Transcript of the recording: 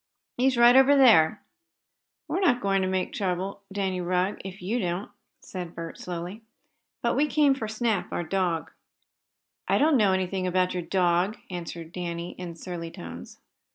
He's right over there." "We're not going to make any trouble, Danny Rugg, if you don't," said Bert slowly, "But we came for Snap, our dog." "I don't know anything about your dog," answered Danny, in surly tones.